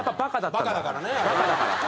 バカだからか。